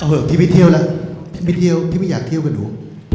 พี่ไม่เที่ยวแล้วพี่ไปเที่ยวพี่ไม่อยากเที่ยวกันดู